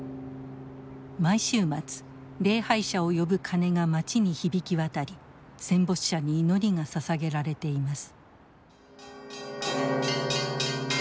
毎週末礼拝者を呼ぶ鐘が街に響き渡り戦没者に祈りがささげられています。